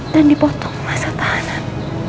dan dipotong masa tahanan